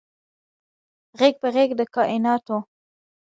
غیږ په غیږ د کائیناتو